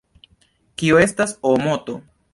Kio estas Oomoto?